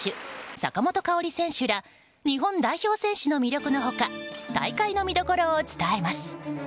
坂本花織選手ら日本代表選手の魅力の他大会の見どころを伝えます。